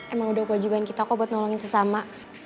emang udah kewajiban kita kok buat nolongin sesama